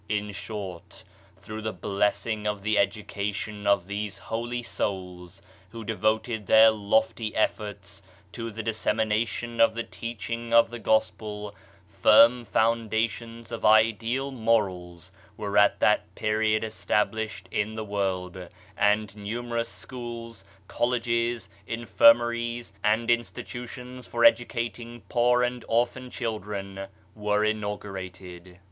In short, through the blessing of the education of those holy souls, who devoted their lofty efforts to the dis semination of the teaching of the Gospel, firm foundations of ideal morals were at that period es tablished in the world, and numerous schools, col leges, infirmaries and institutions for educating poor and orphan children, were inaugurated.